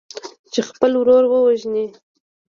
چې خپل ورور ووژني.